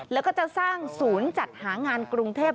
แล้วก็จะสร้างศูนย์จัดหางานกรุงเทพ